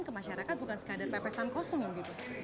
ke masyarakat bukan sekadar pepesan kosong gitu